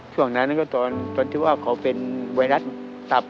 ช่วงนั้นก็ตอนที่ว่าเขาเป็นไวรัสตับ